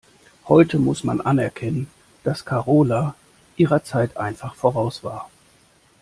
Heute muss man anerkennen, dass Karola ihrer Zeit einfach voraus war.